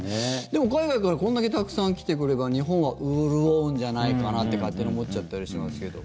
でも、海外からこれだけたくさん来てくれたら日本が潤うんじゃないかなって勝手に思っちゃったりしますけど。